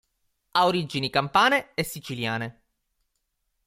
Ha origini campane e siciliane.